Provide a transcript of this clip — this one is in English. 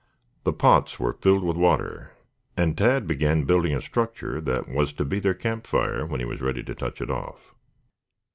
The pots were filled with water and Tad began building a structure that was to be their campfire when he was ready to touch it off.